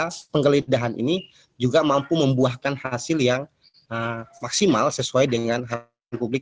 sehingga penggeledahan ini juga mampu membuahkan hasil yang maksimal sesuai dengan harapan publik